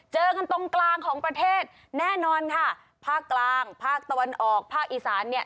เจอกันตรงกลางของประเทศแน่นอนค่ะภาคกลางภาคตะวันออกภาคอีสานเนี่ย